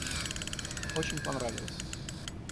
Очень поправилась.